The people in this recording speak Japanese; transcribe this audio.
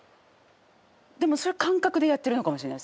でもそれは感覚でやってるのかもしれないです。